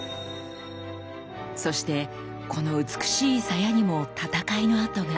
そしてこの美しい鞘にも戦いの跡が。